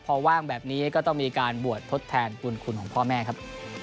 พอว่างแบบนี้ก็ต้องมีการบวชทดแทนบุญคุณของพ่อแม่ครับ